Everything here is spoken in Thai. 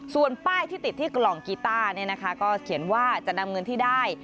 ส่วนป้ายที่ติดที่กล่องกีต้าก็เขียนว่าจะนำเงินที่ได้